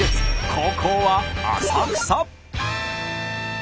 後攻は浅草。